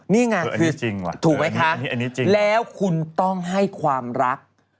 นี่ไงถูกไหมคะแล้วคุณต้องให้ความรัก